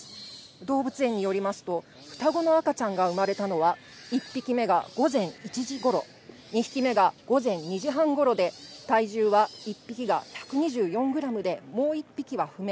動物園によりますと双子の赤ちゃんが生まれたのは１匹目が午前１時頃、１匹目が午前２時半頃で、体重は一匹が１２４ｇでもう１匹は不明。